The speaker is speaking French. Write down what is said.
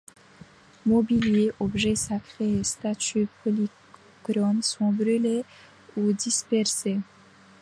Mobilier, objets sacrés et statues polychromes sont brûlés ou dispersés.